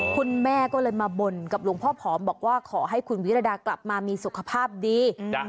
คุณแม่ก็เลยมาบ่นกับหลวงพ่อผอมบอกว่าขอให้คุณวิรดากลับมามีสุขภาพดี